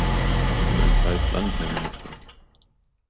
Wir sind ein freies Land, Herr Minister.